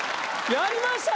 やりました！